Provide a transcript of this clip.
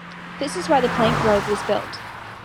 This is why the Plank Road was built.